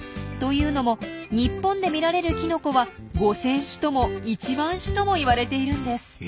というのも日本で見られるキノコは５，０００種とも１万種ともいわれているんです。